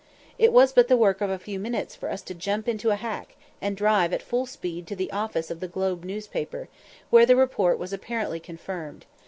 It was but the work of a few minutes for us to jump into a hack, and drive at full speed to the office of the Globe newspaper, where the report was apparently confirmed.